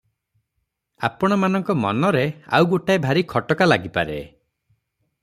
ଆପଣମାନଙ୍କ ମନରେ ଆଉ ଗୋଟାଏ ଭାରି ଖଟ୍କା ଲାଗିପାରେ ।